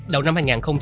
đầu năm hai nghìn ba